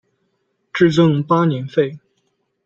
至正八年废。